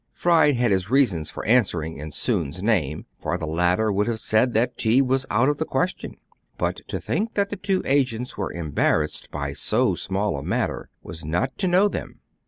Fry had his reasons for answering in Soun's place ; for the latter would have said that tea was out of the question. But to think that the two agents were embar rassed by so small a matter was not to know them.